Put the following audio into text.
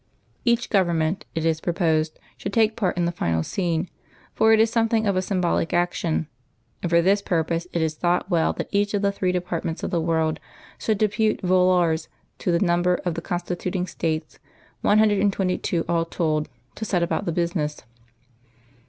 "Each Government, it is proposed, should take part in the final scene, for it is something of a symbolic action; and for this purpose it is thought well that each of the three Departments of the World should depute volors, to the number of the constituting States, one hundred and twenty two all told, to set about the business.